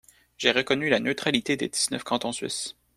»J'ai reconnu la neutralité des dix-neuf cantons Suisses.